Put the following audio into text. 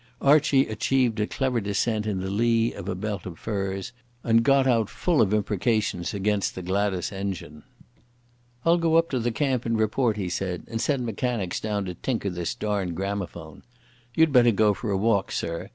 Archie achieved a clever descent in the lee of a belt of firs, and got out full of imprecations against the Gladas engine. "I'll go up to the camp and report," he said, "and send mechanics down to tinker this darned gramophone. You'd better go for a walk, sir.